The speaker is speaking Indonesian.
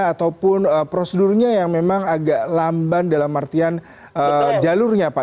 ataupun prosedurnya yang memang agak lamban dalam artian jalurnya pak